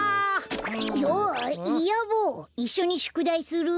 やあイヤ坊いっしょにしゅくだいする？